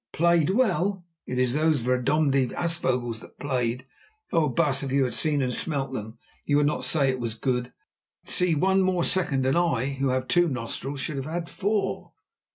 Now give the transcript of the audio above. Played well! It is those verdomde aasvogels that played. Oh! baas, if you had seen and smelt them, you would not say that it was good. See, one more second and I, who have two nostrils, should have had four."